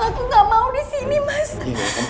aku gak mau disini mas